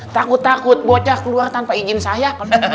takut takut bocah keluar tanpa izin saya